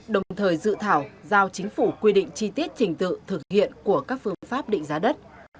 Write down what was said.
đồng thời dự thảo giao chính phủ quy định chi tiết trình tự thực hiện của các phương pháp định giá đất